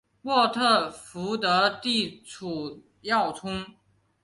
沃特福德地处要冲。